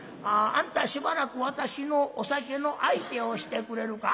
「あんたしばらく私のお酒の相手をしてくれるか？」。